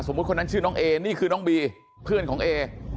คนนั้นชื่อน้องเอนี่คือน้องบีเพื่อนของเอ